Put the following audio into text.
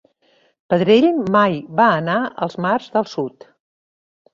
Pedrell mai va anar als mars del Sud.